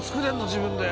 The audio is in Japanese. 自分で。